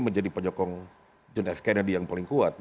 menjadi penyokong john f kennedy yang paling kuat